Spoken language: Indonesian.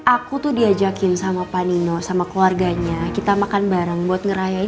aku tuh diajakin sama pak nino sama keluarganya kita makan bareng buat ngerayain